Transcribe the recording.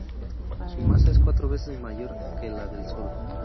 Su masa es cuatro veces mayor que la del Sol.